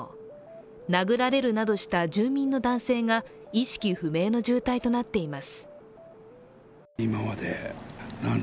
殴られるなどした住民の男性が意識不明の重体となっています。